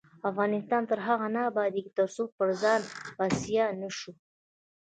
افغانستان تر هغو نه ابادیږي، ترڅو پر ځان بسیا نشو.